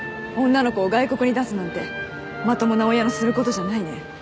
女の子を外国に出すなんてまともな親のする事じゃないね。